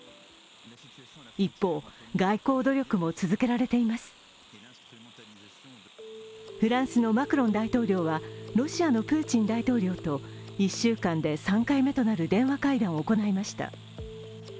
一方、外交努力も続けられていますフランスのマクロン大統領はロシアのプーチン大統領と１週間で３回目となる電話会談を行いました。